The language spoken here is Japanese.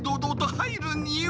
入るには？